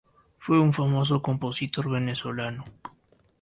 Fue un famoso compositor venezolano.